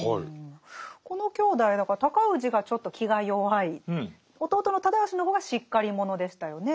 この兄弟だから尊氏がちょっと気が弱い弟の直義の方がしっかり者でしたよね。